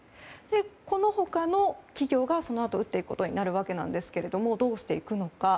この他の企業がそのあと打っていくことになるわけなんですけれどもどうしていくのか。